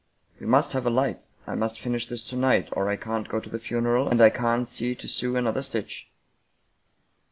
" We must have a light. I must finish this to night or I can't go to the funeral, and I can't see to sew another stitch."